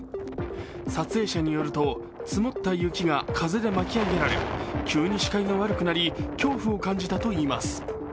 撮影者によると積もった雪が風で巻き上げられ急に視界が悪くなり恐怖を感じたといいます。